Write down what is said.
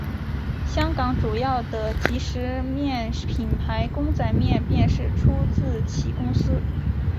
香港主要的即食面品牌公仔面便是出自其公司。